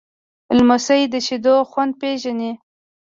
لمسی د شیدو خوند پیژني.